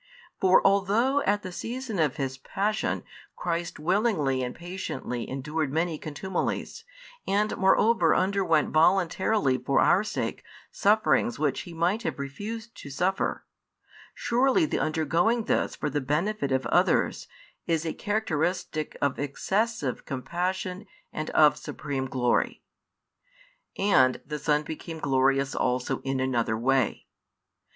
For although at the season of His Passion, Christ willingly and patiently endured many contumelies, and moreover underwent voluntarily for our sake sufferings which He might have refused to suffer; surely the undergoing this for the benefit of others is a characteristic of excessive compassion and of supreme glory. And the Son became glorious also in another way.